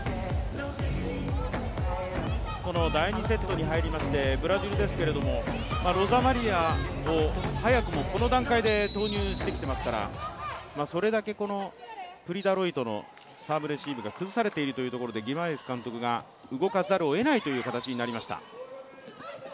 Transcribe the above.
この第２セットに入りまして、ブラジルですけどもロザマリアを早くもこの段階で投入してきてますからそれだけプリ・ダロイトのサーブレシーブが崩されているということでギマラエス監督が動かざるをえない形になりました。